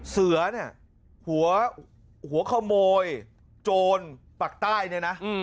เสือเนี่ยหัวขโมยโจรปักใต้เนี่ยนะ